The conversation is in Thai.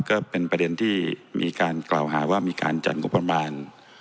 ก็เป็นประเด็นที่มีการกล่าวหาว่ามีการจัดงบประมาณ